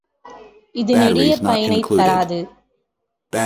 இது நெடிய பயனைத் தராது.